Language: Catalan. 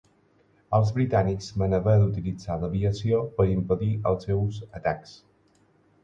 Els britànics van haver d'utilitzar l'aviació per impedir els seus atacs.